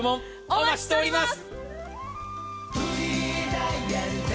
お待ちしております。